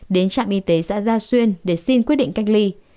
đến trạm y tế xã gia xuyên để xin quyết định cách ly